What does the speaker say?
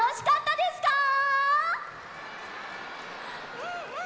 うんうん！